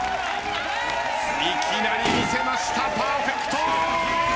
いきなり見せましたパーフェクト。